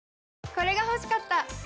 これが欲しかった！